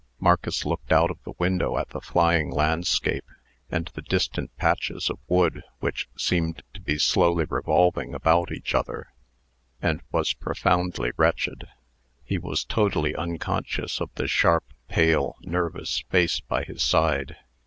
Marcus looked out of the window at the flying landscape, and the distant patches of wood which seemed to be slowly revolving about each other, and was profoundly wretched. He was totally unconscious of the sharp, pale, nervous face by his side.